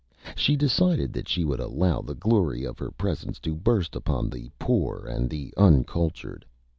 She decided that she would allow the Glory of her Presence to burst upon the Poor and the Uncultured.